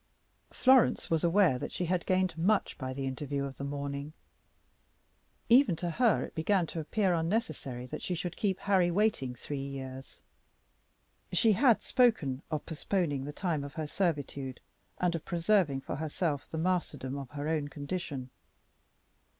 Florence was aware that she had gained much by the interview of the morning. Even to her it began to appear unnecessary that she should keep Harry waiting three years. She had spoken of postponing the time of her servitude and of preserving for herself the masterdom of her own condition.